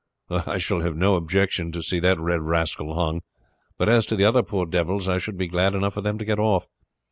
"I shall have no objection to see that red rascal hung; but as to the other poor devils, I should be glad enough for them to get off.